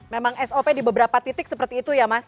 memang sop di beberapa titik seperti itu ya mas